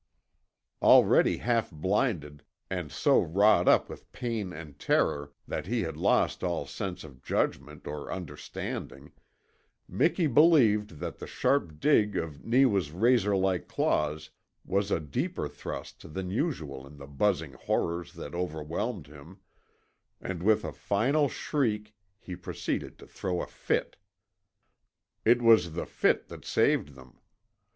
Already half blinded, and so wrought up with pain and terror that he had lost all sense of judgment or understanding, Miki believed that the sharp dig of Neewa's razor like claws was a deeper thrust than usual of the buzzing horrors that overwhelmed him, and with a final shriek he proceeded to throw a fit. It was the fit that saved them.